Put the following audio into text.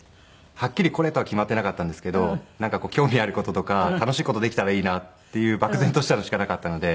はっきりこれとは決まっていなかったんですけどなんか興味ある事とか楽しい事できたらいいなっていう漠然としたのしかなかったので。